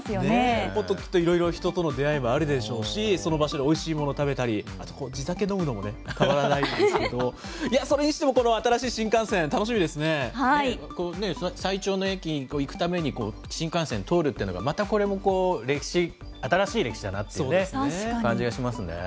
人との出会いもあるでしょうし、その場所でおいしいもの食べたり、あと、地酒飲むのもたまらないですけど、いや、それにしても、この新しい新幹線、楽しみで最長の駅、行くために、新幹線通るっていうのが、またこれもこう、新しい歴史だなっていう感じがしますね。